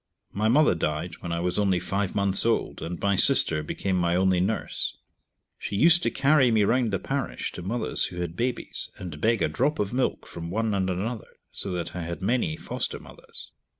My mother died when I was only five months old, and my sister became my only nurse. She used to carry me round the parish to mothers who had babies, and beg a drop of milk from one and another, so that I had many foster mothers.